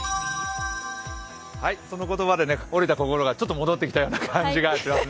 その言葉で折れた心がちょっと戻ってきたような感じがしますね。